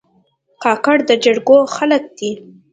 کاکړ د جرګو خلک دي.